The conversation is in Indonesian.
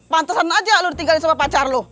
pantesan aja lu ditinggalin sama pacar lu